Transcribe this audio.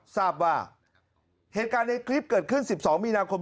ทราบว่าเหตุการณ์ในคลิปเกิดขึ้น๑๒มีนาคม